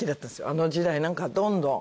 あの時代なんかどんどん。